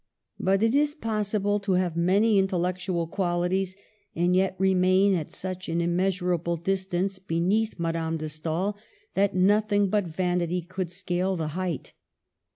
But it is possible to have many intellectual qual ities, and yet remain at such an immeasurable distance beneath Madame de Stael that nothing # but vanity could scale the height.